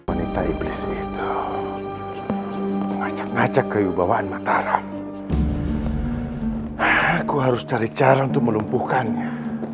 wanita iblis itu ngajak ngajak ke yubawaan mataram aku harus cari cara untuk melumpuhkannya